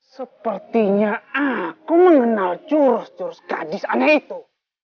sepertinya aku mengenal jurus jurus gadis aneh itu